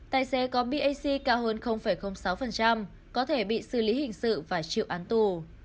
tài xế có bc cao hơn sáu có thể bị xử lý hình sự và chịu án tù